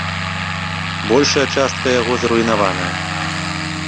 Большая частка яго зруйнаваная.